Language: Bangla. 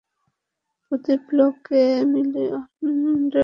প্রতি ব্লকে মিলিয়ন রে, ভাই।